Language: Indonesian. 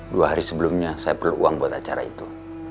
dua hari sebelumnya saya perlu uang buat acara itu